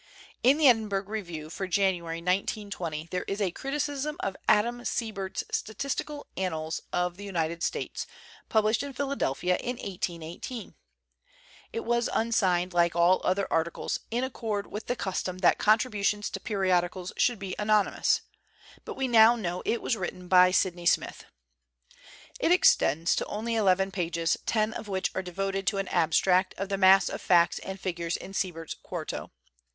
In the Edinburgh Review for January 1920 there is a criticism of Adam Seybert's ' Statisti cal Annals of the United States/ published in Philadelphia in 1818. It was unsigned, like all the other articles, in accord with the custom that contributions to periodicals should be anon 82 THE CENTENARY OF A QUESTION ymous; but we now know that it was written by Sydney Smith. It extends to only eleven pages, ten of which are devoted to an abstract of the mass of facts and figures in Seybert's quarto.